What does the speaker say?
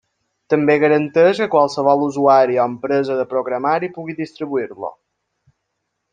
També garanteix que qualsevol usuari o empresa de programari pugui distribuir-lo.